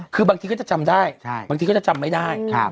คือบางทีก็จะจำได้บางทีก็จะจำไม่ได้